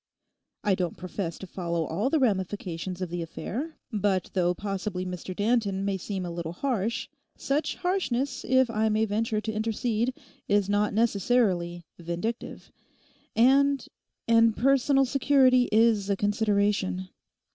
I don't profess to follow all the ramifications of the affair, but though possibly Mr Danton may seem a little harsh, such harshness, if I may venture to intercede, is not necessarily "vindictive." And—and personal security is a consideration.